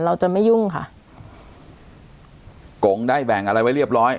เราจะไม่ยุ่งค่ะกงได้แบ่งอะไรไว้เรียบร้อย